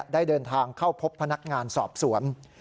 ได้เดินทางเข้าพบพนักงานสอบสวน